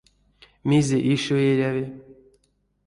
Мезе еще эряви?